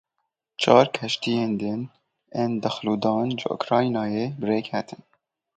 Çar keştiyên din ên dexlûdan ji Ukraynayê bi rê ketin.